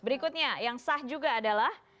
berikutnya yang sah juga adalah